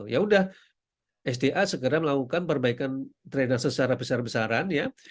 ya udah sda segera melakukan perbaikan drainase secara besar besaran ya